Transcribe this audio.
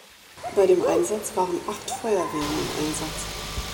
Bei dem Einsatz waren acht Feuerwehren im Einsatz.